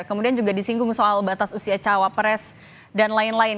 kemudian juga disinggung soal batas usia cawapres dan lain lain